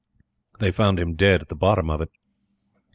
They found him dead at the bottom of it.